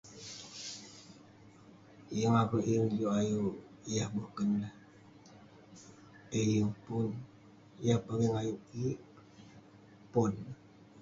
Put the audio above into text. Yeng akouk yeng juk ayuk yah boken ineh, eh yeng pun..yah pogeng ayuk kik, pon..